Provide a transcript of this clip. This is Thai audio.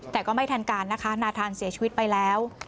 แต่ก็ไม่ทันการนะคะนาธานเสียชีวิตไปแล้ว